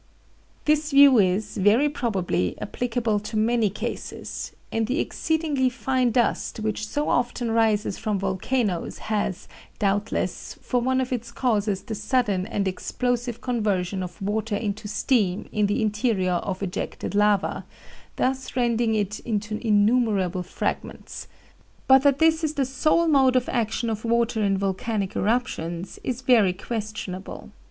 This view is, very probably, applicable to many cases, and the exceedingly fine dust which so often rises from volcanoes has, doubtless, for one of its causes the sudden and explosive conversion of water into steam in the interior of ejected lava, thus rending it into innumerable fragments. But that this is the sole mode of action of water in volcanic eruptions is very questionable.